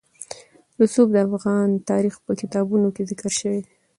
رسوب د افغان تاریخ په کتابونو کې ذکر شوي دي.